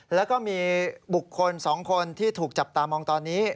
แล้วก็มีบุคคล๒คนที่ถูกจับตามองตอนนี้